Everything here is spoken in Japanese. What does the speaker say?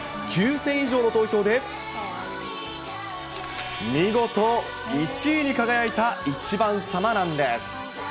９０００以上の投票で、見事、１位に輝いた１番さまなんです。